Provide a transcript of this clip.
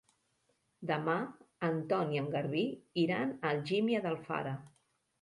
Demà en Ton i en Garbí iran a Algímia d'Alfara.